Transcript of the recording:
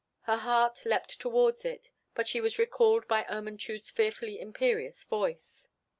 Her heart leapt towards it, but she was recalled by Ermentrude's fretfully imperious voice.